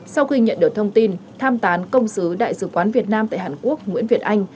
sau khi nhận được thông tin tham tán công sứ đại sứ quán việt nam tại hàn quốc nguyễn việt anh